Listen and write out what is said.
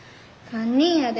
堪忍やで。